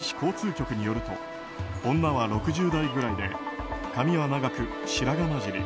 警察や横浜市交通局によると女は６０代ぐらいで髪は長く白髪交じり。